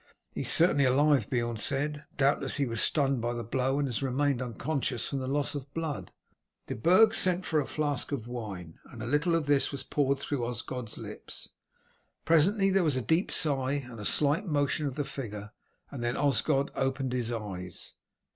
"He is certainly alive," Beorn said. "Doubtless he was stunned by the blow, and has remained unconscious from the loss of blood." De Burg sent for a flask of wine, and a little of this was poured through Osgod's lips. Presently there was a deep sigh and a slight motion of the figure, and then Osgod opened his eyes.